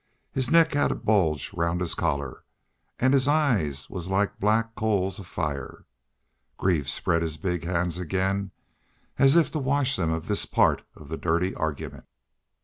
His neck had a bulge round his collar. An' his eyes was like black coals of fire. Greaves spread his big hands again, as if to wash them of this part of the dirty argument.